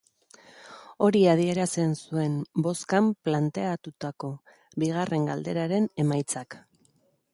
Hori adierazi zuen bozkan planteatutako bigarren galderaren emaitzak.